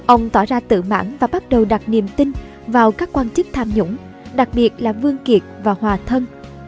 ông tỏ ra tự mãn và bắt đầu đặt niềm tin vào các quan chức tham nhũng đặc biệt là vương kiệt và hòa thân